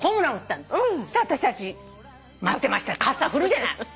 そしたら私たち待ってましたって傘振るじゃない。